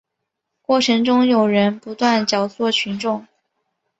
过程中有人不断教唆群众